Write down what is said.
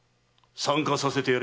参加させてやれ。